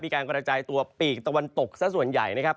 มีการกระแจตัวปีกตะวันตกซะส่วนใหญ่นะครับ